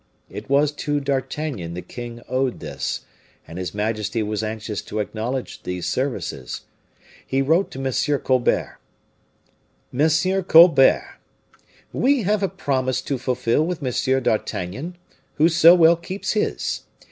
It was to D'Artagnan the king owed this; and his majesty was anxious to acknowledge these services; he wrote to M. Colbert: "MONSIEUR COLBERT, We have a promise to fulfil with M. d'Artagnan, who so well keeps his.